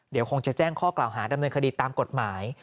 เดี๋ยวคงจะแจ้งข้อกล่าวหาดำเนินคดีตามกฎหมาย